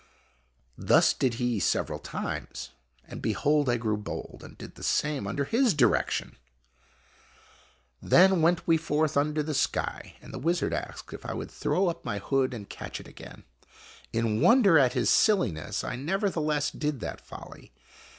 ] Thus did he several times, and behold I grew bold, and did the same under his direction !.^ >1 ^.<; 8 IMAGINOTIONS Then went we forth under the sky, and the wizard asked if I would throw up my hood and catch it again. In wonder at his silli ness, I nevertheless did that folly.